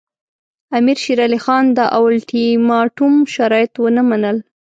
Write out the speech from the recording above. امیر شېر علي خان د اولټیماټوم شرایط ونه منل.